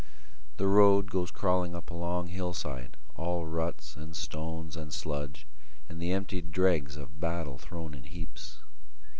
The road goes crawling up a long hillside, All ruts and stones and sludge, and the emptied dregs Of battle thrown in heaps.